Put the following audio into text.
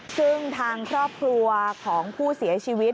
ซึ่งทางครอบครัวของผู้เสียชีวิต